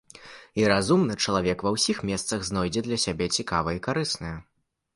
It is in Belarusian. І разумны чалавек ва ўсіх месцах знойдзе для сябе цікавае і карыснае.